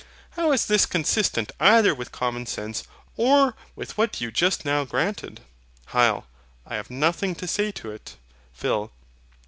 How is this consistent either with common sense, or with what you just now granted? HYL. I have nothing to say to it. PHIL.